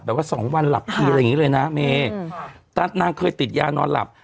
สองวันหลับทีอะไรอย่างงี้เลยนะเมตตานางเคยติดยานอนหลับ